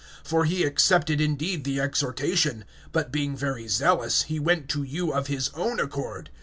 (17)For he accepted indeed the exhortation; but being very zealous, he went to you of his own accord.